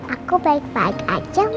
aku baik baik aja